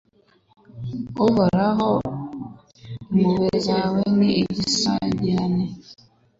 Uhoraho impuhwe zawe ni igisagirane